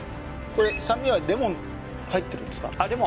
これ酸味はレモン入ってるんですか？